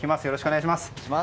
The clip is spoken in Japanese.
よろしくお願いします。